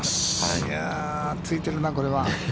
いやあ、ついてるな、これは。